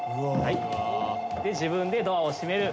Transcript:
自分でドアを閉める。